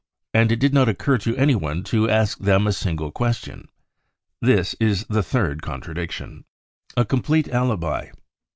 And it did not occur to anyone to ask them a single question. This is the third contradiction* A Complete Alibi.